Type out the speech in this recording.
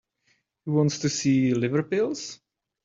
Who wants to see liver pills?